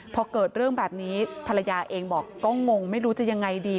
พอเกิดเรื่องแบบนี้ภรรยาเองบอกก็งงไม่รู้จะยังไงดี